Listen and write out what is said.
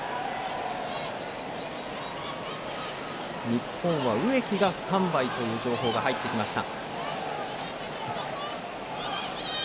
日本は植木がスタンバイという情報が入ってきました。